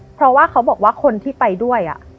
เพราะว่าเขาบอกว่าคนที่ไปด้วย